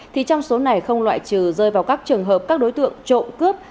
thì trong số này không loại trừ rơi vào các trường hợp các đối tượng trộm cướp